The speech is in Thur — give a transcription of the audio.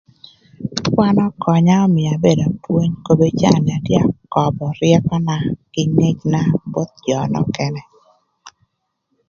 Kwan ökönya ömïa abedo apwony kobedi ï caa ni atye aköbö ryëköna kï ngecna both jö nökënë.